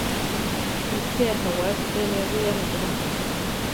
Iʼpéa jawási emi awíame ko ba.